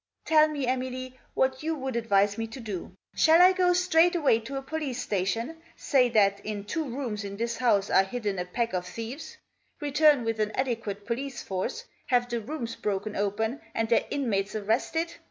" Tell me, Emily, what you would advise me to do. Shall I go straight away to a police station ; say that in two rooms in this house are hidden a pack of thieves ; return with an adequate police force, have the rooms broken open and their inmates arrested